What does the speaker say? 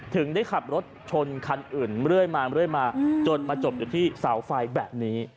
ถึงได้ขับรถชนคันอื่นเรื่อยมาเรื่อยมาจนมาจบอยู่ที่เสาไฟแบบนี้